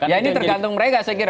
ya ini tergantung mereka saya kira